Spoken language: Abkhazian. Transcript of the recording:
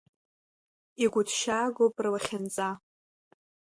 Игәыҭшьаагоу рлахьынҵа.